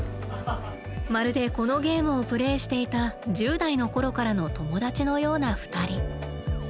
まるでこのゲームをプレーしていた１０代の頃からの友達のような２人。